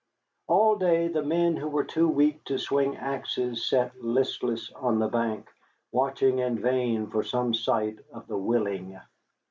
All day the men who were too weak to swing axes sat listless on the bank, watching in vain for some sight of the Willing.